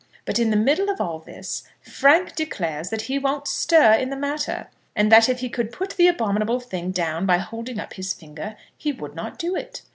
But in the middle of all this, Frank declares that he won't stir in the matter, and that if he could put the abominable thing down by holding up his finger, he would not do it.